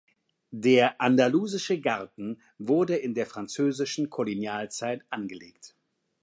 Der „Andalusische Garten“ wurde in der französischen Kolonialzeit angelegt.